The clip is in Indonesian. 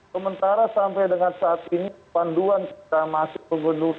sementara sampai dengan saat ini panduan kita masih gubernur